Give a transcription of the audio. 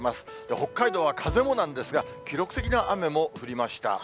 北海道は風もなんですが、記録的な雨も降りました。